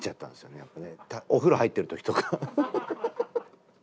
やっぱねお風呂入ってる時とか。